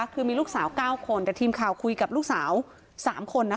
คือมีลูกสาว๙คนแต่ทีมข่าวคุยกับลูกสาว๓คนนะคะ